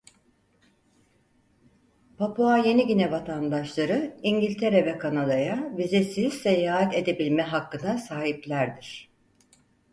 Papua Yeni Gine vatandaşları İngiltere ve Kanada'ya vizesiz seyahat edebilme hakkına sahiplerdir.